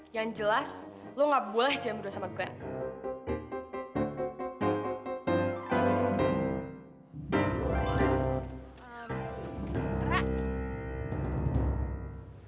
yang jelas lo gak boleh jalan berdua sama glenn